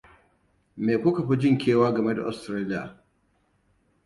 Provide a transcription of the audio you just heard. Me kuka fi jin kewa game da Australia?